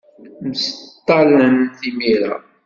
Mseṭṭalen timira.